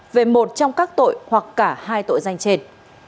về một trong các tội hoặc cả hai tội danh trên